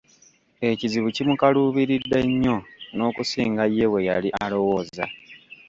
Ekizibu kimukaluubiridde nnyo n'okusinga ye bweyali alowooza.